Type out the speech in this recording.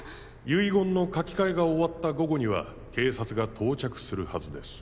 遺言の書き換えが終わった午後には警察が到着するはずです。